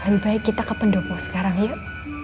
lebih baik kita ke pendopo sekarang yuk